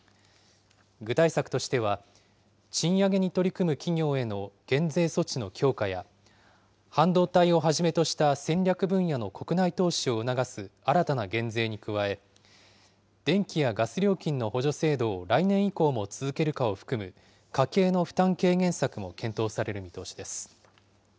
具体策としては、賃上げに取り組む企業への減税措置の強化や、半導体をはじめとした戦略分野の国内投資を促す新たな減税に加え、電気やガス料金の補助制度を来年以降も続けるかを含む家計の負担軽減策も検討される見通しです。